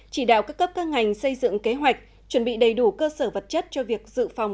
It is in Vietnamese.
chỉ đạo các cấp các ngành xây dựng kế hoạch chuẩn bị đầy đủ cơ sở vật chất cho việc dự phòng